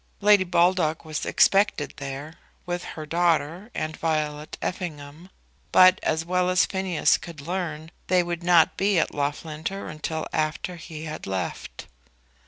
Lady Baldock was expected there, with her daughter and Violet Effingham; but, as well as Phineas could learn, they would not be at Loughlinter until after he had left it.